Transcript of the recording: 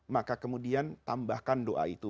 maka kemudian tambahkan doa itu